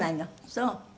そう。